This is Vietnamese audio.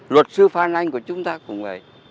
luật sư phan anh của chúng ta cũng vậy